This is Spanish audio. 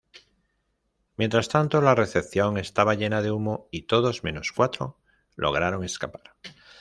Mientras tanto, la recepción estaba llena de humo, y todos menos cuatro lograron escapar.